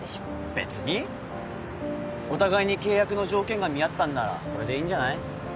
別にお互いに契約の条件が見合ったんならそれでいいんじゃない？